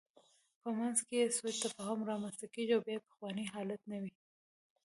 په منځ کې یې سوء تفاهم رامنځته کېږي او بیا پخوانی حالت نه وي.